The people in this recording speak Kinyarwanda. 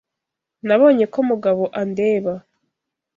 Nabonye ko Mugabo andeba.